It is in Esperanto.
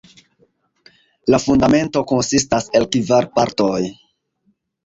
La Fundamento konsistas el kvar partoj.